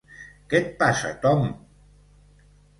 Què et passa, Tom?